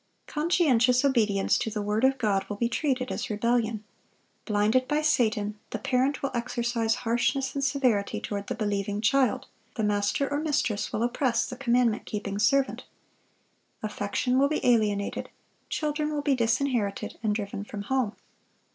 Conscientious obedience to the word of God will be treated as rebellion. Blinded by Satan, the parent will exercise harshness and severity toward the believing child; the master or mistress will oppress the commandment keeping servant. Affection will be alienated; children will be disinherited, and driven from home.